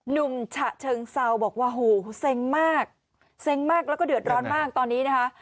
ฉะเชิงเซาบอกว่าโหเซ็งมากเซ็งมากแล้วก็เดือดร้อนมากตอนนี้นะคะ